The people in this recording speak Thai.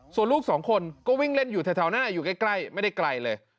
ส่วนลูกสองคนก็วิ่งเล่นอยู่แถวหน้าอยู่ใกล้ไม่ได้ไกลเลย